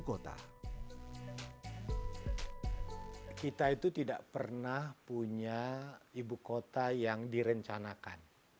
kita itu tidak pernah punya ibu kota yang direncanakan